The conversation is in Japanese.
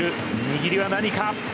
握りは何か。